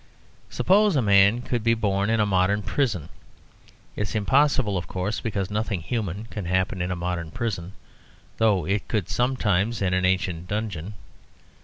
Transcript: Suppose a man could be born in a modern prison. It is impossible, of course, because nothing human can happen in a modern prison, though it could sometimes in an ancient dungeon.